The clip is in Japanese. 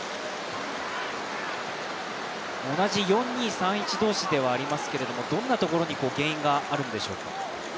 同じ４−２−３−１同士ではありますけれどもどんなところに原因があるんでしょうか？